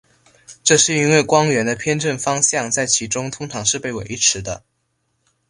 这是因为光源的偏振方向在其中通常是被维持的。